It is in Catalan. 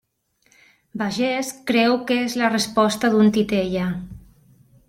Vallès creu que és la resposta d'un titella.